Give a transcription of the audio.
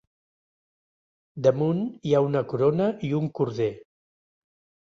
Damunt hi ha una corona i un corder.